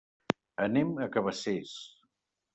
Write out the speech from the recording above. Anem a Cabacés.